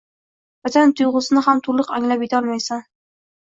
Vatan tuyg‘usini ham to‘liq anglab yetolmaysan